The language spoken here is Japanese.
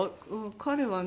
彼はね